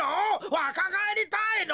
わかがえりたいの！